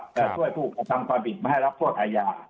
และช่วยผู้ประชังความผิดไม่ให้รับโทษอาญา